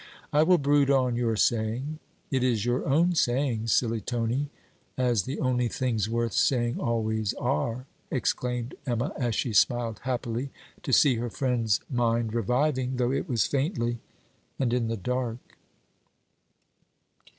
I will brood on your saying.' 'It is your own saying, silly Tony, as the only things worth saying always, are!' exclaimed Emma, as she smiled happily to see her friend's mind reviving, though it was faintly and in the dark.